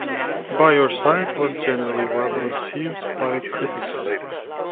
"By Your Side" was generally well received by critics.